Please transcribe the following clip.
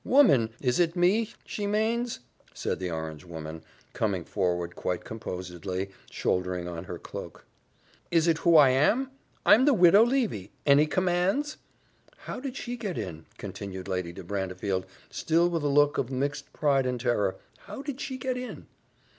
"Woman! is it me she manes?" said the orange woman, coming forward quite composedly, shouldering on her cloak. "Is it who I am? I'm the Widow Levy. Any commands?" "How did she get in?" continued Lady de Brantefield, still with a look of mixed pride and terror: "how did she get in?"